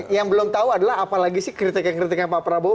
yang belum tahu adalah apalagi sih kritikan kritikan pak prabowo